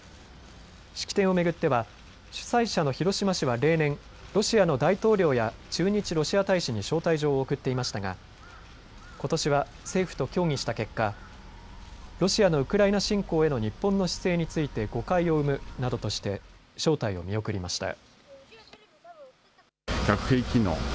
式典を巡っては主催者の広島市は例年、ロシアの大統領や駐日ロシア大使に招待状を送っていましたがことしは政府と協議した結果、ロシアのウクライナ侵攻への日本の姿勢について誤解を生むなどとして招待を見送りました。